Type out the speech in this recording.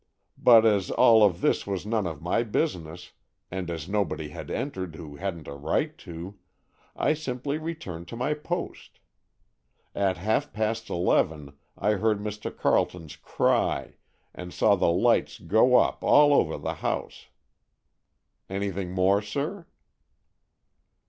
But as all of this was none of my business, and as nobody had entered who hadn't a right to, I simply returned to my post. At half past eleven I heard Mr. Carleton's cry, and saw the lights go up all over the house. Anything more, sir?"